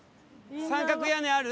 三角屋根ある？